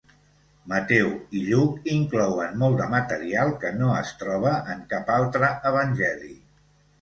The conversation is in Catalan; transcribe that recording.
Mateu i Lluc inclouen molt de material que no es troba en cap altre Evangeli.